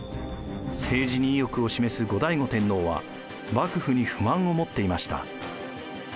政治に意欲を示す後醍醐天皇は幕府に不満を持っていました。